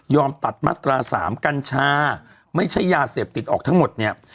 ตัดมาตรา๓กัญชาไม่ใช่ยาเสพติดออกทั้งหมดเนี่ย